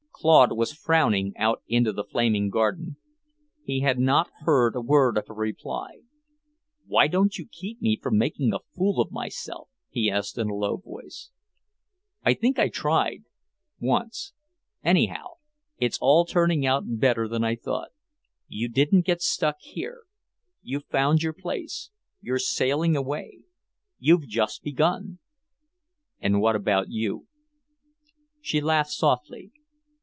Claude was frowning out into the flaming garden. He had not heard a word of her reply. "Why didn't you keep me from making a fool of myself?" he asked in a low voice. "I think I tried once. Anyhow, it's all turning out better than I thought. You didn't get stuck here. You've found your place. You're sailing away. You've just begun." "And what about you?" She laughed softly.